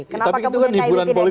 kenapa kemudian kib tidak di